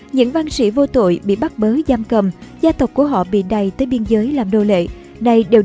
những văn sĩ vô tội bị bắt bớ giam cầm gia tộc của họ bị đày tới biên giới làm đô lệ